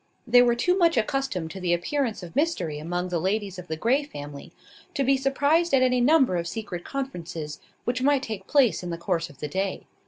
They were too much accustomed to the appearance of mystery among the ladies of the Grey family, to be surprised at any number of secret conferences which might take place in the course of the day.